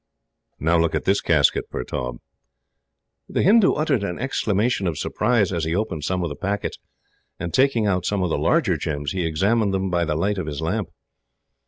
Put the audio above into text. "Now look at this casket, Pertaub." The Hindoo uttered an exclamation of surprise, as he opened some of the packets, and, taking out some of the larger gems, he examined them by the light of his lamp.